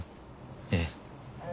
ええ。